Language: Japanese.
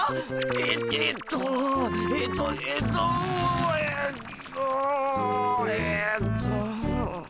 ええっとえっとえっとえっとえっと。